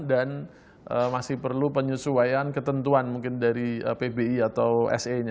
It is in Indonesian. dan masih perlu penyesuaian ketentuan mungkin dari pbi atau se nya